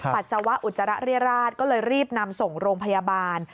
ปัสสาวะอุจจาระเรียราชก็เลยรีบนำส่งโรงพยาบาล